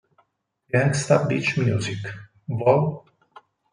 Gangsta Bitch Music, Vol.